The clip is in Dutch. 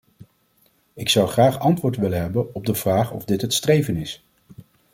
Ik zou graag antwoord willen hebben op de vraag of dit het streven is.